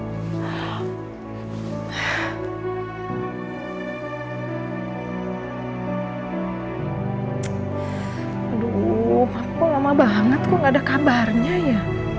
aduh aku lama banget kok gak ada kabarnya ya